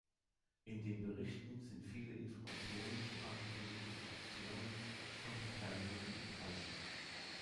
In den Berichten sind viele Informationen zu antisemitischen Aktionen von Parteigenossen enthalten.